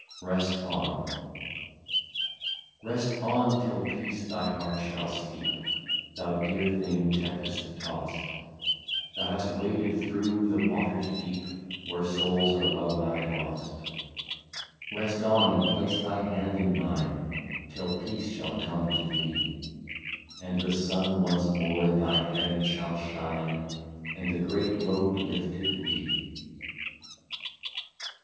142 REST ON. Rest on, till peace thy heart shall steep, Thou dear thing tempest tost ; Thou hast waded through the waters deep Where souls are well nigh lost. Rest an, and place thy hand in mine, Till peace shall come to thee, And the sun once more in thy Heaven shall shine, And the great load lifted be.